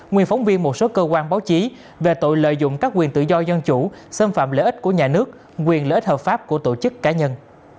nguyên phóng viên một số cơ quan báo chí về tội lợi dụng các quyền tự do dân chủ xâm phạm lợi ích của nhà nước quyền lợi ích hợp pháp của tổ chức cá nhân